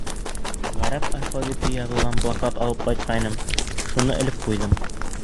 Ғәрәп алфавиты яҙылған плакат алып ҡайтҡайным, шуны элеп ҡуйҙым.